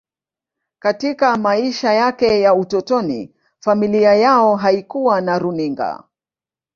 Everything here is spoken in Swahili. Katika maisha yake ya utotoni, familia yao haikuwa na runinga.